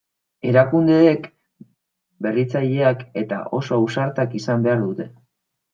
Erakundeek berritzaileak eta oso ausartak izan behar dute.